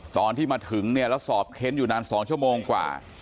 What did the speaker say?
ตอนที่มาถึงเนี่ยแล้วสอบเค้นอยู่นาน๒ชั่วโมงกว่า